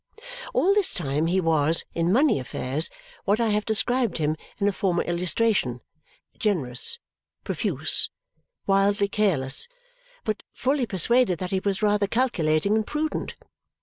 All this time he was, in money affairs, what I have described him in a former illustration generous, profuse, wildly careless, but fully persuaded that he was rather calculating and prudent.